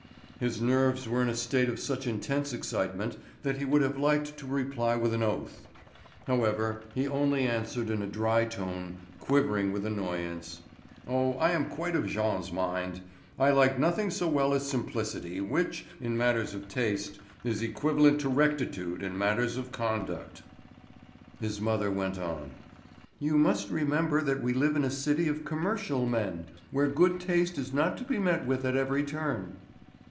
His nerves were in a state of such intense excitement that he would have liked to reply with an oath. However, he only answered in a dry tone quivering with annoyance. "Oh, I am quite of Jean's mind. I like nothing so well as simplicity, which, in matters of taste, is equivalent to rectitude in matters of conduct." His mother went on: "You must remember that we live in a city of commercial men, where good taste is not to be met with at every turn."